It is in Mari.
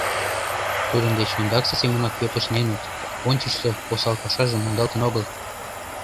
Тудын деч ондаксе семынак йотышненыт, ончычсо осал пашаже мондалтын огыл.